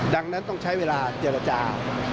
ดังนั้นต้องใช้เวลาเจรจา